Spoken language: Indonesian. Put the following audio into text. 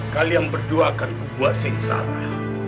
kalian berdua akan kubuat seinsara